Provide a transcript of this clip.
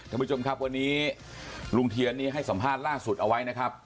ท่านผู้ชมครับวันนี้ลุงเทียนนี่ให้สัมภาษณ์ล่าสุดเอาไว้นะครับ